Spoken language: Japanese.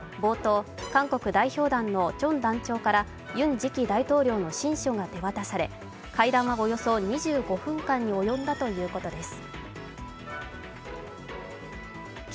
冒頭、韓国代表団のチョン団長からユン次期大統領の親書が手渡され、会談はおよそ２５分間に及んだということです。